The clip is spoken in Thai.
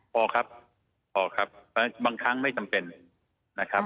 พอครับพอครับบางครั้งไม่จำเป็นนะครับ